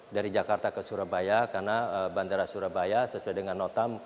dari jakarta ke surabaya karena bandara surabaya sesuai dengan nota